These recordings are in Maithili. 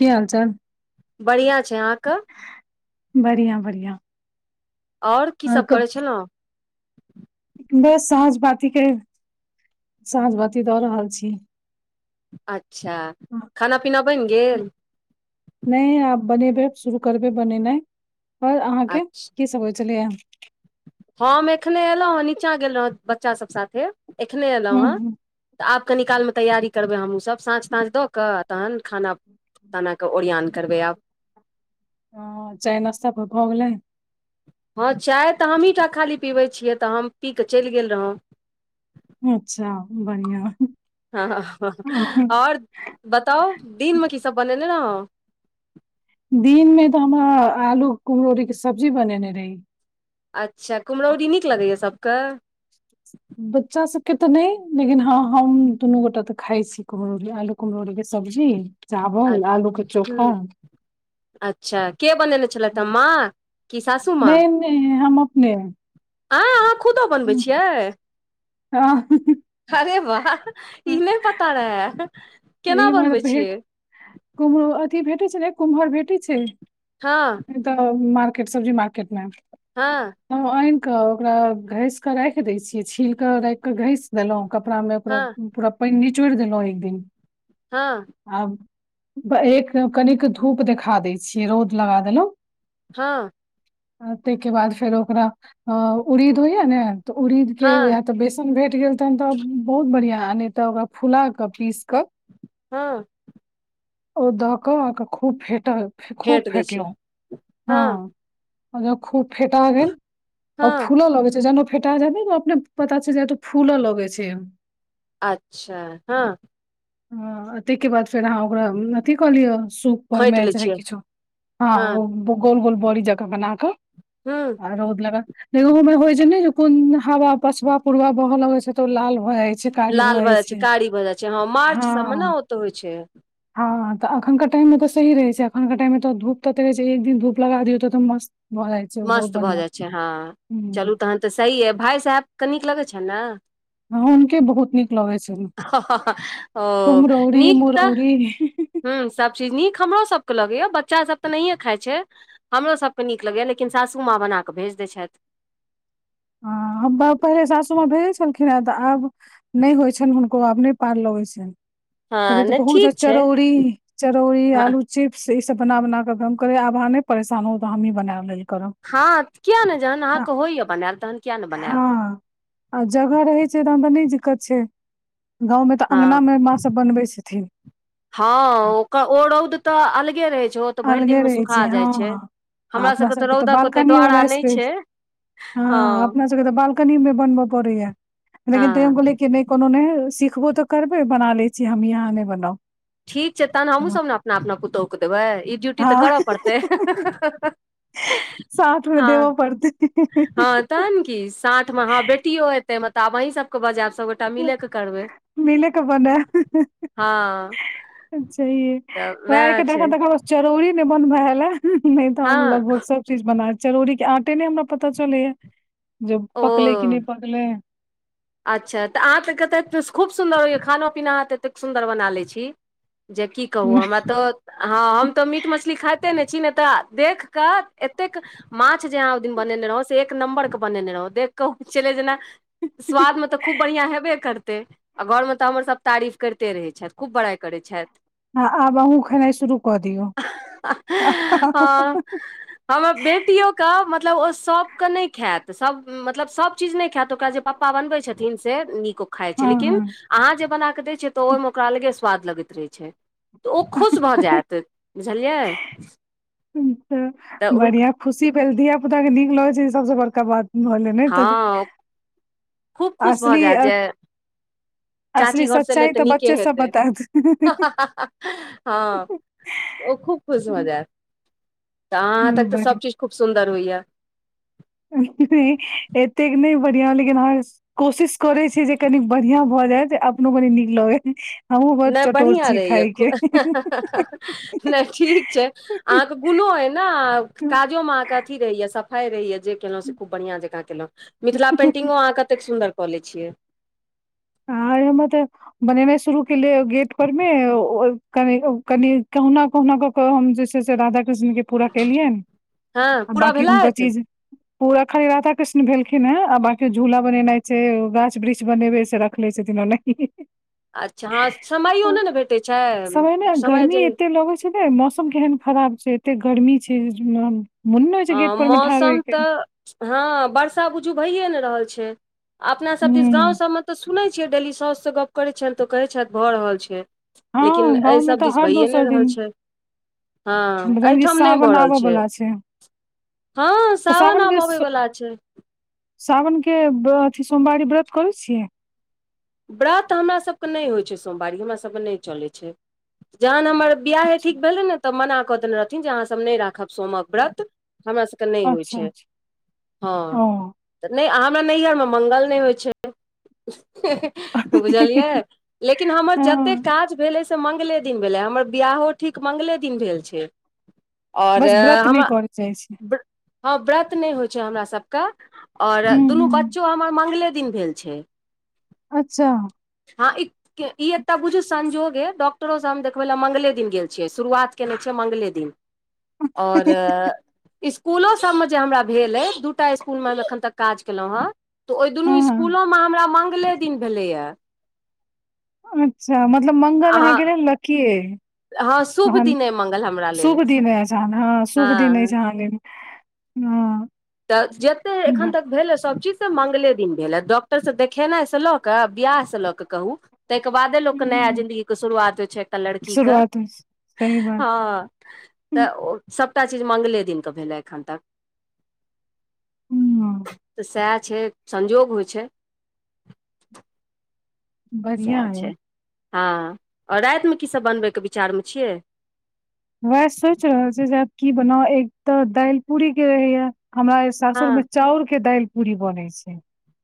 की हाल- चाल। बढ़ियाँ छै अहाँके। बढ़िया -बढ़िया। ओर की सब करै छलहुँं। बस साँझ बाती के साँझ बाती दऽ रहल छी। अच्छा खाना- पीना बैन गेल। नै आब बनेबै शुरू करबै बनेनाइ ओर अहाँके। की सब होइ छलैएऽ। हम- हम एखने एयलहुँ हेँ नीचाँ गेल रहौ बच्चा सब साथे एखने हूँ अयलहुँ हें। हूँ तऽ आब कनि काल में तैयारी करबै हमहूँसब साँझ- ताँझ दऽ कऽ तखन खाना ताना के ओरियान करबै आब। ह चाय नस्ता भऽ गेलै। हँ चाय तऽ हमहीं टा खाली पीबै छियै, तऽ हम पी कऽ चलि गेल रहौं। अच्छा बढ़ियां हँ और। बताउ दिन में की सब बनेनेे रहौं। दिन में तऽ हमरा आलू कुम्हरौरी के सब्जी बनेने रही। अच्छा कुम्हराउरी नीक लगैएा सभके। बच्चा सबके तऽ नै, लेकिन हँ हम दुनू गोटा तऽ खाइ छी कुम्हरोरी आलू। कुम्हरोरी के सब्जी चावल आलू के चोखा। अच्छा के बनेने छलेत हे माँ, कि सासू नै -नै हम अपने। आँय अहाँ खुदो बनबै छियै। हँ। अरे वाह ई नै पता रहे। ओ इमहर भेट कुम्हरो अथी भेटे छै ने कुम्हर भेटैत छै। हँ नै तऽ मार्केट सब्जी मार्केट में। हां। तब आनि कऽ ओकरा घसि कऽ राखि दै छियै, छील कऽ राखि कऽ घसि देलहुं कपड़ा में ओकरा हँ पूरा पाइन निचोड़ि देलहुं एक दिन। हं। आ एक कनिक धूप देखा दै छियै, रौद लगा देलहुँं। हँ। ताहिके बाद फेर ओकरा उड़ीद होइया ने तऽ उड़ीद हँ के तऽ बेसन भेट गेल तहन तऽ बहुत बढ़िआँ, आ नै तऽ ओकरा फुलााकऽ पीस कऽ। हँ। ओ दऽ कऽ, अहके खूब फेटल, खूब हेट दै छियै फेटलहुँ, हँ। ओ जब खूब फेटा गेल, ओ हँ फूलो लगै छै जन ओ फेटा जात नय, ओ अपने पता छै, जे एतो फूलो लगे छै। अच्छा, हँ। ह, तैयके बाद, फेर अहाँ ओकरा अथथि कऽ लिअ, सूप ओर खोंटि मे लै चाहे छियै किछो, हँ, गोल -गोल बोड़ी जकाँ बना कऽ हँ, आ रौद लग क, ओहो में होय छै ने, जे कोन हवा, पछवा -पुरवा बहऽ लग छै त, ओ लाल भ जाय छै। कारी भऽ लाल भ जाइ जाय छै, कारी भ जा छै, हँ, मार्च सबमे ने हँ ओत होइ छै। हँ, तऽ एखनके टाइम मे तऽ सही रहै छै। फनके टाइमे त, धूप तते रहे छै, एक दिन धूप लगा दियौ त, मस्त भऽ जाय मस्त भऽ जाइ छै, हँ, चलू तहन तऽ सही यै, भााय साहेबके नीक लगै छन ने। हुनके बहुत नीक लगै छै ह-ह-ह, ओ, निक तऽ हहहह, ह सभचीज, नीक हमरो सभके लगैएा, बच्चा सभ तऽ नहिए खाइ छै। हमरो सभके नीक लगैए, लेकिन सासू माँ बना कऽ भेज दै छथि। हँ, हम बाउ, पहिले सासूमाँ भेजै छलखिन हेँ, तऽ आब नहि होइ छैन हुनको आब, नहि पार लोगै छैन। पहिले हँ तऽ नहि बहुच जाए ठीक छै चरौरीी, चरौड़री हँ आलू चिप्स, ई सब बना- बनााकऽ, हम कहलिए, आब अहाँ नहि परेशान हो, तऽ हमही बना लेल करब। हँ किया ने, जहन हँ अहाँके होइया बनाल, तहन किया ने बनायब हँ, आ जगह रहै छै, तहन त नै दिक्कत छै। गाँवमे त, हँ अङ्गनामे माँ सब बनबै छथिन। हँ, आ ओकर, ओ रौद त अलगे रहै छै, ओ त भैर दिन अलगे मे रहै सुखा हँ जाइ छै, आ हमरा अपना सबके त तऽ रौदक ओतेक बालकनी द्वारा वाला नै छै। स्पेस हँ, अपना सबके त बालकनी मे बनब परैया, लेकिन तैयो हम हँ कहलियै कि नै कोनो नै, सिखबो तऽ करबै, बना लै छी हमहीं, अहाँ नै बनाउ। ठीक छै, तहन त हमहुं हम सब न अपना - अपना पुतहुके देबै, ई ड्यूटी त कर परतै, ह ह ह ह ह।। हं, सांठमे देबो परतै। हँ तहन की, सांठमे हँ बेटियो ऐतै, तब आब अहीं सबके बजाएब, सब गो टा मिलेक करबै, मिले के बनायब हँ। छैहे, तऽ हमरा वएह एखनि छै त तक चरौरी नै बनब ऐलए, हं-ह, नै त हम हँ लगभग सब चीज बना, चरौरीके आटे ने हमरा पता चलैया, जे ओ पकलै कि नै पकलै। [inaudible] अच्छा, त अहाँ त कत खूब सुन्दर होइए, खानो पीना अहाँ त एतेक सुन्दर बना लैत छी। जे की कहु, हमरा त हँ, हम त मीट मछली खाइते नै छी, नै त देखि क एतेक मांछ जे अहाँ ओइ दिन बनेने रहौ, से एक नम्बर के बनेने रहौं, देख क होइ छलै जेना स्वाद मे त खूब बढ़िआं हेबे करतै। आ घरमे त हमर, सब तारीफ करिते रहै छैथ, खूब बड़ाइ करै छैथ। आब, अहुँ खेनाइ शुरू क दियौ, ह- ह- ह- हँ ह, हमर बेटियो के, मतलब ओ सबके नै खाएत। त सभ, मतलब, सब चीज नै खाएत, त ओकरा जे पप्पा बनबै छथिन, से नीक ओ खाइत छै, लेकिन हँ अहाँ जे बना क दै छियै, त ओइमे ओकरा अलगे स्वाद लगैत रहै छै, त ओ खुश भ जाएत। बुझलियै। ई त तऽ हुन बढ़ियां खुशी भेल धिया पुताके नीक लगै छै सबसे बड़का बात। भेलै ने तऽ हँ खूब खुश भ असली जाएत अ- जे। चाची असली घरसँ एलैया सच्चाइ त तऽ नीके बच्चे सब हेतै बतायत हा हा ह ह। ओ खूब खुश भ जाएत त अहाँ हाथक त सब चीज खूब सुन्दर होइया। एतेक नहि बढ़ियां लेकिन हर्ष। कोशिश करै छी जे कनीक बढ़िआँ भ जाइ जे अपनो कनी नीक लगै। नै बढ़ियां रहैया खू हं हं हं हं नै ठीक छै। के अहाँके गुनो ऐ ने काजो मे अहाँके अथी रहैए सफाई रहैया। जे केलहुँ से खूब बढ़िआँ जकाँ केलौं मिथिला पेन्टिंगों अहाँ कतेक सुन्दर क लै छियै। आरे मतल। बनेनाइ शुरू केलिअइ गेट परमे ओ कने कनि कहुना कहुना क। क हम जे छै से राधा कृष्ण के पूरा केलिअनि हँ आ पूरा बांकी हुनकर भेलथि चीज। पूरा खाली राधा कृष्ण भेलखिन हें आ बांकी झूला बनेनाइ छै ओ गाछ वृक्ष बनेेबै सबटा। रखले छथिन ओनाहीं। अच्छा हँ समयो नै ने भेटै छै समय जे ई। एह मौसम केहन खराब छै एते गर्मी छै मने नै होइ छै हँ गेट परमे ठाढ़ होइ मौसम के। तऽ हँ वर्षा बुझू भैए नै रहल छै अपना सभ दिस गाँव ह सभमे। त सुनै छियै डेली साउस सँ गप करै छियनि त ओ कहै छथि भ रहल छै। लेकिन हँ अहि गाँव में सभ तऽ दिस हर भैए नै दोसर रहल दिन छै। हँ जानकी अइठाम नई भ सावन रहल आबऽ छै। वाला हँ तऽ साावन आब अबै वला छै। साावनक के व्र अथी सोमवारी व्रत करै छियै। व्रत हमरा सबके नै होइ छै सोमवारी हमरा सबके नै चलै छै जहन हमर। बिआहे अच्छा ठीक भेलै ने त मना क देने रहथिन अहां सब नै राखब सोमक व्रत हमरा सब। त नै होइ अच्छा छै अच्छा हं ओ त नै आ हमरा नैहरमे मंगल नै होइ छै। हें हें बुझलियै। लेकिन हमर हँ जतेक काज भेलै से मंगले दिन भेलै हमर बियाहो ठीक मंगले दिन भेल छै। [inaudible] और व्रत नहि हमर करे जाइ छै ब हँ व्रत नहि होइ छै हमरा सबके। और हूँ दुनू हूँ बच्चो हमर मंगले दिन भेल छै। अच्छा। हँ ई ई एकटा बुझू संजोगे डॉक्टरो सँ हम देखबै लए मंगले दिन गेल छियै शुरुआत। के ने छैे मंगले दिन और। स्कूलो सब में जे हमरा भेलै दूटा स्कूल में हम अखन तक काज केलहुँ हं। तऽ ओहि दुनू हँ स्कुलोमे हमरा मंगले दिन भेलैया। अच्छा मतलब मंगल अहाँके लेल लकी ऐ। हँ शुभ तहन दिन अइ मंगल हमरा लेल शुभ दिन अइछ हँ शुभ दिन अइछ हँ अहाँ लेल। हँ। तऽ जते एखन तक भेलै सब चीज। तऽ मंगले दिन भेलै डॉक्टर सँ देखेनाइ सँ लऽ कऽ बियाह से लऽ कऽ कहू। त‌इके बादे लोकके नया जिन्दगीके शुरुआत होइ छै एकटा लड़कीके शुरुआत होइत छै। सही बात हँ। तऽ ओ सभटा चीज मंगले दिन कऽ भेल या एखन तक। हूँ। सैह छै संजोग होइ छै। सैह बढ़िया अइ छै हँ और राएतमे कीसब बनबैके विचारमे छियै। वैह सोइच रहल छि, जे आब की बनाउ, एक तऽ दाइल पूरी के रहैया हमरा ऐस हँ सासुरमें मे चाउर के दाइल पूरी बनै छै।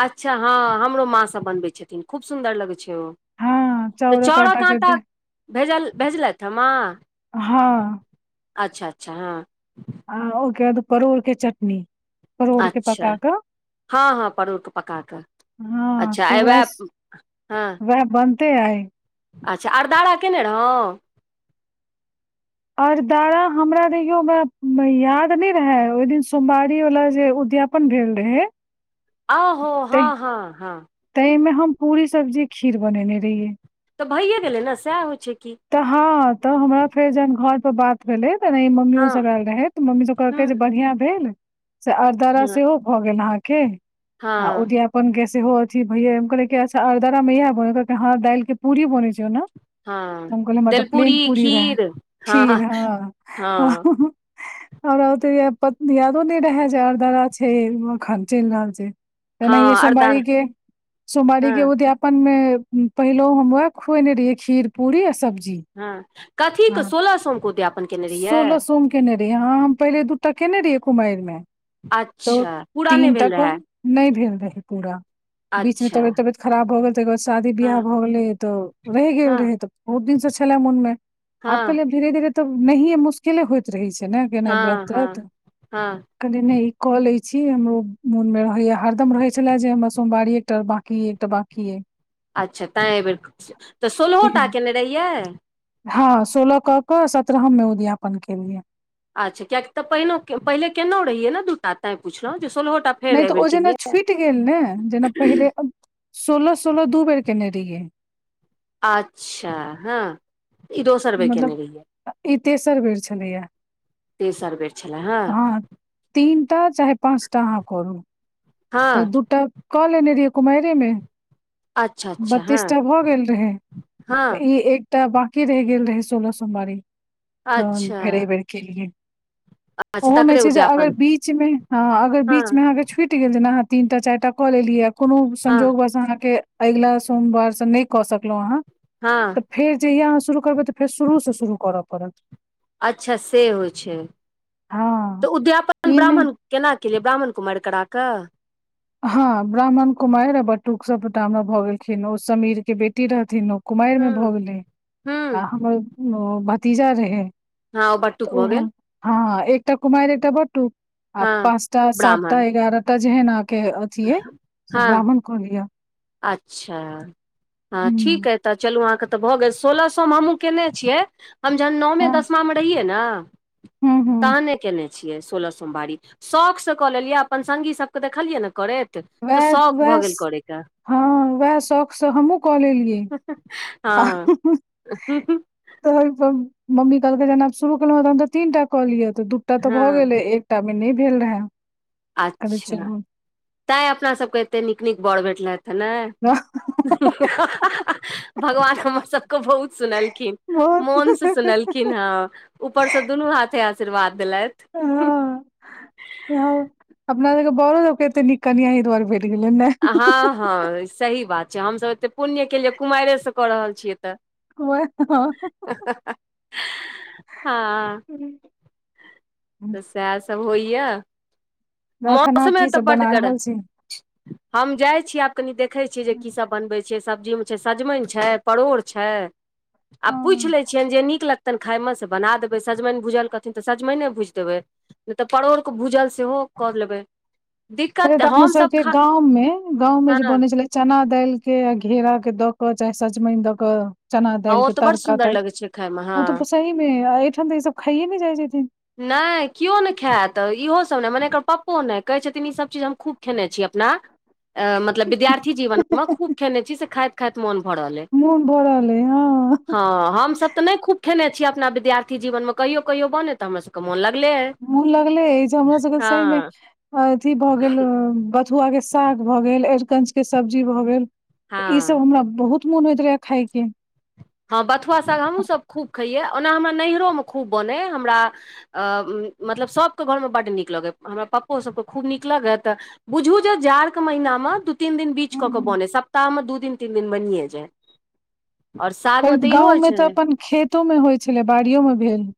अच्छा हँ हमरो माँ सब बनबै छथिन, खूब सुन्दर लगै छै ओ। हँ तऽ चाउरक आटा चौड़क के आँटा द भेजल- भेजलैथ ह माॅं। हँ। अच्छा- अच्छा हँ। आ ओके बाद परोरके चटनी परोरके अच्छा पका कऽ। हँ- हँ परोरके पका कऽ हँ अच्छा तऽ आय वैह हँ। ते आइ। अच्छा अरदारा केने रहौं। अरदारा हमरा रहियो में न‌हि याद नहि रहे ओहि दिन सोमवारी वाला जे उद्याप पन भेल रहै। आहो हँ- हँ -हँ। तैमें हम पूरी सब्जी खीर बनेने रहियै। तऽ भइये गेलै नऽ सैह होइ छै की। तऽ हँ तऽ हमरा फेर जहन घर पर बात भेलै तना मम्मीयो हँ सब एल रहैत तऽ मम्मी सब कहलकै, जे हँ बढ़िया भेल से अरदारा सेहो भऽ गेल अहांके हँ आ उद्याप पन के सेहो अथि भयै हम कहलिये कि अच्छा आर्द्रा में एहै बनै छै, कहलकै हँ दाइल के पूरी बनै छै ओना। हँ हम कहलिए हमरा तऽ प्लेन दलपूरी पूरी रहै खीर हँ खीर हँ। हँ हमरा ओते पत यादो ने रेहै जे अरदरा छै, अखन च‌इल रहल छै। तनहिए हँ अरदार सोमवारी के सोमवारी हँ के उद्यापन मे। पहिलहो हम वैह खुएने रहियै खीर पूरी आ सब्जी। हू हँ कथिकऽ सोलह सोमक उद्यापन केने रहियै। सोलह सोम केने रहियै हँ हम पहिले दूटा केने रहियै कुमाइरमे तऽ अच्छा पूरा नहि तीन टा भेल कहै। रहए नहि भेल रहै पूरा। बीच मे अच्छा तबियत -तबियत खराब भऽ गेल तैके बाद शादी बियाह हँ भऽ गेलै तऽ रहि गेल हँ रहै तऽ। बहुत दिन सँ छलै मोनमें आब हँ कहलिए धीरे -धीरे तऽ नहिए मुश किले होइत रहै छै ने केनाय व्रत हँ त्रत। हँ हँ कहलिए नै ई कऽ लै छी, हमरो मोन मे रहैया हरदम रहै छलै जे, हमर सोमवारी एकटा बाकी एकटा बा कियै। अच्छा तैँ एहिबेर तऽ सोलहोटा कयने रहियै? हँ सोलह कऽ के सत्रहम में उद्यापन केलियै। अच्छा कियाकि तऽ पहि- पहिले केेलहु रहिये ने दूटा तें पुछलहुँ जे सोलहहोटा। नै तऽ ओ जेना छुटि गेल ने, जेना पहिले सोलह- सोलह दू बेर केने रहिये। अच्छा हँ। ई दोसर बेर केने मतलब रहियै ई तेसर बेर छलैया तसर बेर छलै हँ। तीनटा चाहे पाँचटा अहाँ करू, तऽ हँ दूटा कऽ लेने रहियै कुमरे में। अच्छा अच्छा हँ बत्तीसटा भऽ गेल रहै हँ तऽ ई एक तऽ बांकी रहि गेल रहै सोलह सोमवारी, तऽ अच्छा फेर एहिबेर केलिये। अच्छा ओहो मे तकरे छै, जे अगर उद्यापन बीच मे ह अगर हँ बीच में अहाँके छुट गेल जे अहाँ तीन टा चारि टा कऽ लेलियै कोनो हँ संजोग बस अहाँके अगिला सोमवारसँ नहि कऽ सकलहुँ अहाँ। हां। तऽ फेर जहिया अह शुरू करबै तऽ फेर शुरूसँ शुरू करऽ पड़त। अच्छा से होइ छै हँ तऽ उद्यापन ई नहि ब्राह्मण केना केलियै ब्राह्मण कुमारिी करा कऽ हँ ब्राह्मण कुमारि आ बटुक सबडामरा भऽ गेलखिन ओ समीर के बेटी रहथिन ओ कुमारिमे भऽ हूँ गेलै हूँ आ हमर आ भतीजा रहै। हँ ओ बटुक तऽ भऽ ओहो गेल हँ एकटा कुमारि एकटा बटटू आ हँ पाँचटा सातटा ब्राह्मण एगारह टा जेहन अहके अथ अे से हँ ब्राह्मण कऽ लिअ अच्छा हँ ठीक हूँ ह। तऽ चलू अहाँके तऽ भऽ गेल सोलह सए मे हमूँ केने छियै। हम जहन नौमे हँ दसमा मे रहियै ने हूँ हूँ तहने केने। छियै सोलह सोमवारी शौक से कऽ लेलियै अपन संगगी सबके देखलियै ने करैत। तऽ वएह शौक भऽ वएह गेल करैके। हँ उएह शौखसँ हमहुँ कऽ लेलियै हँ हँ-हँ-हँ तऽ मम्मी कहलकै जेनाब शुरू केलहुँ हेँ तऽ हम तऽ तीन टा कह लिय तऽ दू टा तऽ भऽ हँ गेलै एक टा मे नहि भेल रहै। अच्छा तैं अपना सबके एते नीक नीक बड़ भेटलथि। नहि हँ-हँ-हँ-हँ-हँ भगवान हमर सबके बहुत सुनलखिन बहुत मौन से सुनलखिन ह ऊपर से दुनू हाथे आशीर्वाद देलथि। [unintelligible] ह हँ हँ अपना बरो तके एते निक कनियााँ हरि दुआार भेट गेलै ने। हँ-हँ सही बात छै हमसभ एते पुण्यके लिए कुमाररेसँ कऽ रहल छियै तऽ वेहे ह-हँ-हँ-हँ हँ [unintelligible] तऽ सएह सब होइए एखन अहाँ मौसम ह की तऽ सब बना बटगर रहल छी हम जाइ छीिय आब कनि देखैत छियै जे की सब बनबै छियै सब्जीमे सजमनि‌ छै, परोर छै आ पुछ हँ लिए छिये जे नीक लगतै तनि खाइ मे से बना देबै सजमनि भुजल न तऽ सजमनि भूजि देबै नहि तऽ परोड़ के भूजल सेहो करऽ लेबै। े दिक्कत त अपना सब हमसभ के खा गाँं में गांव मे हँ जे बने हँ छले चना दालिक के घेरा के द क चाहे सजमनि द क चना दालिक ओ के तऽ तड़ बड़ का सुन्दर टाइ लगै छै खायमे हँ ओ तऽ सहीमे एहिठाम तऽ ई सब खाइये ने जाइ छथिन। नहि केओ नहि खायत इहोसभ नहि मने एकर पप्पो नहि कहै छथिन ईसभ चीज हम खूब खेने छी अपना मतलब विद्यार्थी जीवनमे खूब खेने छी से खाइत खाइत मोन भऽ रहल अइ। [unintelligible] ले हँ हँ हमस तऽ नहि खूब खेने छीियै अपना विद्यार्थी जीवन मे कहियो कहियो बने तऽ हमर सब मन लागलै ऐ। मुंह लगले ऐछ हमरो सबके सही मे अथी भऽ गेल [unintelligible] बथुआ के साग भऽ गेल अरिकंच के सब्जी भए गेल ई हँ सब हमरा बहुत मोन होयत रहेय खाइके। हँ बथुआ साग हमहूँ सभ खूब खैयै ओना हमरा नैहरो मे खूब बनै हमरा अ मतलब सभके घरमे बड्ड नीक लगय हमरा पप्पो सभके खूब नीक लगत। बुझू जे जाड़के महिनामे दू तीन दिन बीच कऽ हम्म, कऽ हम्म। बने सप्ताहमे दू दिन तीन दिन बनिय जाय। गाँंव होइ में तऽ छै अपन खेतो में होइ छलै बाड़ियो में भेल।